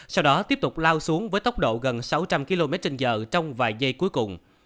sau đó tiếp tục lao xuống với tốc độ gần sáu trăm linh kmh trong vài giây cuối cùng